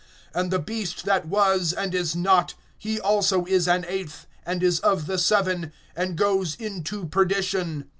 (11)And the beast that was, and is not, he also is an eighth, and is of the seven, and goes into perdition.